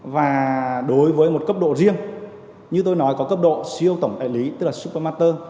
và đối với một cấp độ riêng như tôi nói có cấp độ siêu tổng đại lý tức là supermater